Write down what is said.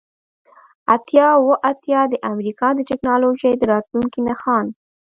اتیا اوه اتیا د امریکا د ټیکنالوژۍ د راتلونکي نښان